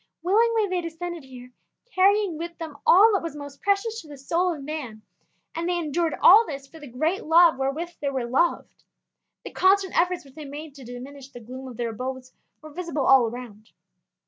Willingly they descended here, carrying with them all that was most precious to the soul of man, and they endured all this for the great love wherewith they were loved. The constant efforts which they made to diminish the gloom of their abodes were visible all around.